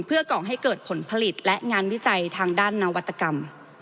เพื่อก่อให้เกิดผลผลิตและงานวิจัยทางด้านนวัตกรรม